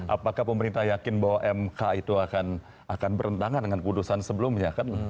apakah pemerintah yakin bahwa mk itu akan berhentangan dengan putusan sebelumnya